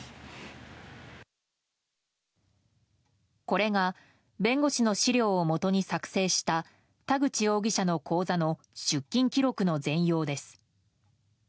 これが弁護士の資料をもとに作成した田口容疑者の口座の出金記録の全容です。